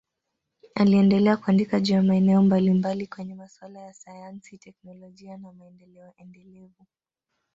Aliendelea kuandika juu ya maeneo mbalimbali kwenye masuala ya sayansi, teknolojia na maendeleo endelevu.